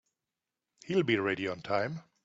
He'll be ready on time.